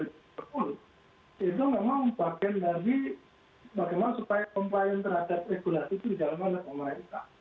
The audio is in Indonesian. itu memang bagian dari bagaimana supaya komplain terhadap regulasi itu dijalankan oleh pemerintah